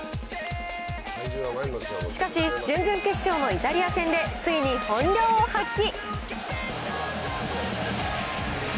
しかし、準々決勝のイタリア戦でついに本領を発揮。